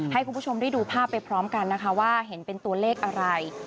ให้คุณผู้ชมได้ดูภาพไปพร้อมกันนะคะว่าเห็นเป็นตัวเลขอะไร